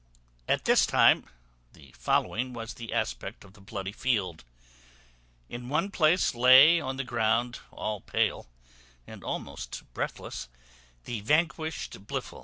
At this time, the following was the aspect of the bloody field. In one place lay on the ground, all pale, and almost breathless, the vanquished Blifil.